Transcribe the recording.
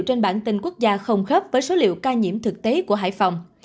trên bản tin quốc gia không khớp với số liệu ca nhiễm thực tế của hải phòng